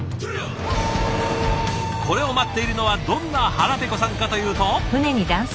これを待っているのはどんな腹ペコさんかというと。